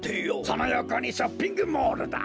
そのよこにショッピングモールだ。